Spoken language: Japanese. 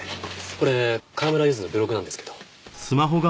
これ川村ゆずのブログなんですけど。